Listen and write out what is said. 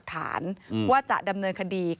ก็ไม่รู้ว่าฟ้าจะระแวงพอพานหรือเปล่า